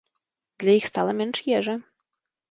Для іх стала менш ежы.